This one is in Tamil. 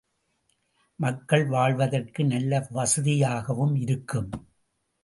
மக்கள் வாழ்வதற்கு நல்ல வசதியாகவும் இருக்கும்.